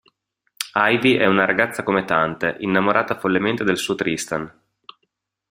Ivy è una ragazza come tante, innamorata follemente del suo Tristan.